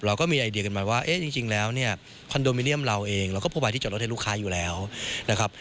เราก็มีไอเดียกันมาว่าเอ๊ะจริงแล้วเนี่ยคอนโดมิเนียมเราเองเราก็โปรบายที่จอดรถให้ลูกค้าอยู่แล้วนะครับ